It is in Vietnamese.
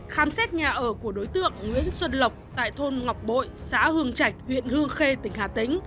khám xét nhà ở của đối tượng nguyễn xuân lộc tại thôn ngọc bội xã hương trạch huyện hương khê tỉnh hà tĩnh